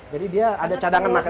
jadi dia ada cadangan makan